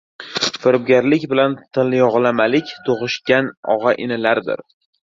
Firibgarlik bilan tilyog‘lamalik — tug‘ishgan og‘a-inilardir.